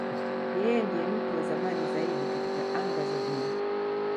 Yeye ndiye mtu wa zamani zaidi katika anga za juu.